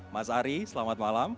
mas ari selamat malam